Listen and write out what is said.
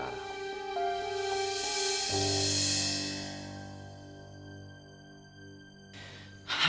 selama ini mereka hidup terluntar lutan dan begitu sengsara